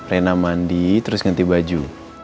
rena mandi terus ganti baju